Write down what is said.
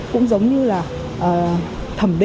cũng giống như là thẩm mỹ